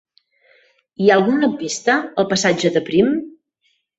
Hi ha algun lampista al passatge de Prim?